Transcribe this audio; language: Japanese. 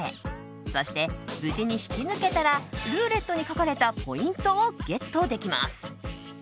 そして無事に引き抜けたらルーレットに書かれたポイントをゲットできます。